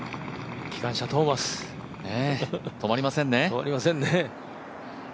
「きかんしゃトーマス」止まりませんね。